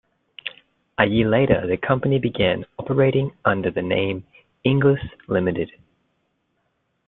A year later the company began operating under the name, Inglis Limited.